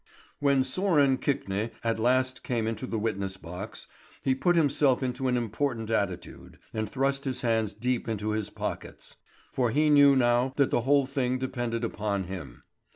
When Sören Kvikne at last came into the witness box, he put himself into an important attitude, and thrust his hands deep into his pockets; for he knew now that the whole thing depended upon him.